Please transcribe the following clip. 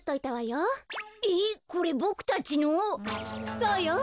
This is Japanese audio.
そうよ。